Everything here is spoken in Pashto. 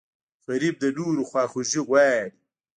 غریب د نورو خواخوږی غواړي